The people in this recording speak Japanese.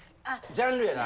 ジャンルやな。